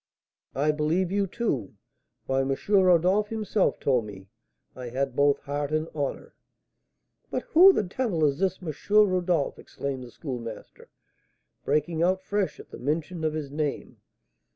"I believe you, too. Why, M. Rodolph himself told me I had both heart and honour." "But who the devil is this M. Rodolph?" exclaimed the Schoolmaster, breaking out fresh at the mention of his name.